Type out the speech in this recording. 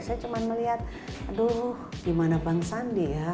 saya cuma melihat aduh gimana bang sandi ya